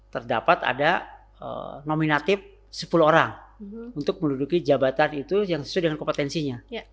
terdapat ada nominatif sepuluh orang untuk menduduki jabatan itu yang sesuai dengan kompetensinya